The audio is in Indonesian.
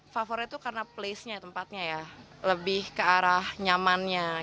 favorit itu karena tempatnya ya lebih ke arah nyamannya